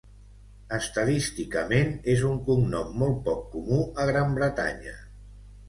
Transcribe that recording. Estadísticament és un cognom molt poc comú a Gran Bretanya.